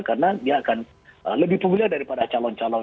karena dia akan lebih populer daripada calon calon